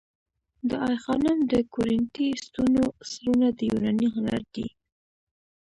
د آی خانم د کورینتی ستونو سرونه د یوناني هنر دي